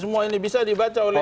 semua ini bisa dibaca oleh